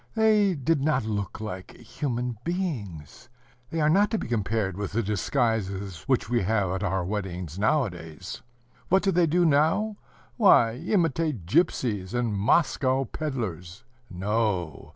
They did not look like human beings. They are not to be compared with the disguises which we have at our weddings nowadays. What do they do now? Why, imitate gypsies and Moscow pedlers. No!